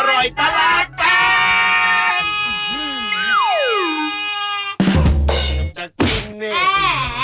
อร่อยตลาดแปลก